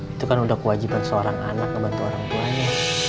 itu kan udah kewajiban seorang anak ngebantu orang tuanya